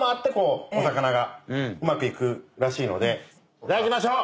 いただきましょう！